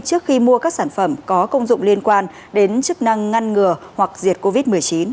trước khi mua các sản phẩm có công dụng liên quan đến chức năng ngăn ngừa hoặc diệt covid một mươi chín